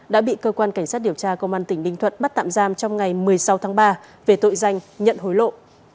đã bị cơ quan cảnh sát điều tra công an tỉnh ninh thuận bắt tạm giam trong ngày một mươi sáu tháng ba về tội danh nhận hối lộ